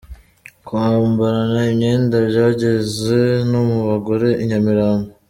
Kwambarana imyenda byageze no mu bagore I Nyamirambo.